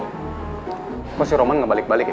maksudnya roman gak balik balik ya